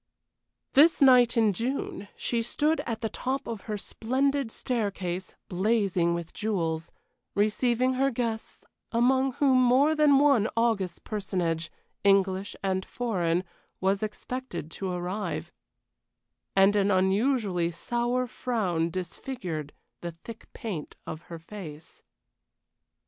This night in June she stood at the top of her splendid staircase, blazing with jewels, receiving her guests, among whom more than one august personage, English and foreign, was expected to arrive; and an unusually sour frown disfigured the thick paint of her face.